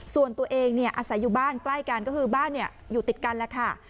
ส่วนตัวเองอาศัยอยู่บ้านใกล้กันก็คือบ้านอยู่ติดกันแล้วค่ะ